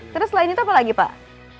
terus lainnya apa lagi pak